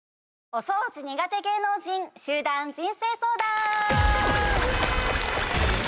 おそうじ苦手芸能人集団人生相談！